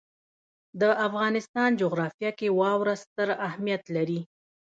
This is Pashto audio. د افغانستان جغرافیه کې واوره ستر اهمیت لري.